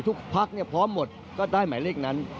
พักพร้อมหมดก็ได้หมายเลขนั้น